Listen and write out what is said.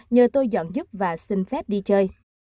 nhờ tôi dọn giúp và xin phép đi chơi